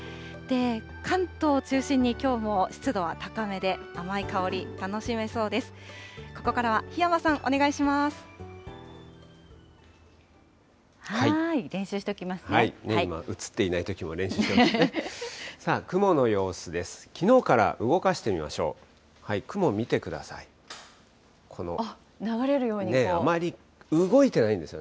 関東を中心にきょうも湿度は高めで、甘い香り、楽しめそうです。